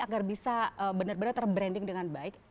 agar bisa benar benar terbranding dengan baik